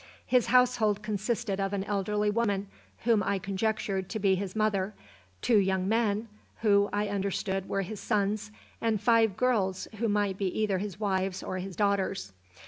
His household consisted of an elderly woman whom I conjectured to be his mother, two young men who, I understood, were his sons, and five girls who might be either his wives or his daughters.